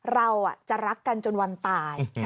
เราจะรักกันจนวันตาย